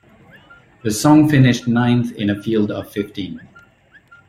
The song finished ninth in a field of fifteen.